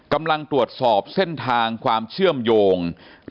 กำลังตรวจสอบเส้นทางความเชื่อมโยง